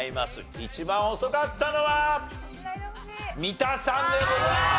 一番遅かったのは三田さんでございます。